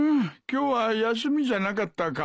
今日は休みじゃなかったか？